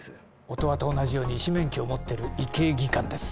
音羽と同じように医師免許を持ってる医系技官です